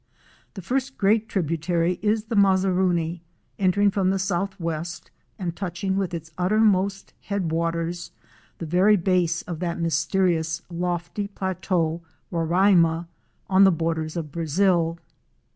The first great tributary is the Mazaruni, entering from the southwest and touch ing with its uttermost head waters the very base of that mysterious lofty plateau, Roraima, on the borders of Brazil.